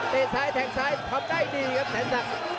ซ้ายแทงซ้ายทำได้ดีครับแสนศักดิ์